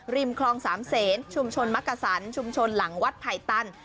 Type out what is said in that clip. คลองสามเศษชุมชนมักกะสันชุมชนหลังวัดไผ่ตัน